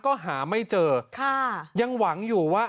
ก็หาไม่เจอค่ะยังหวังอยู่ว่า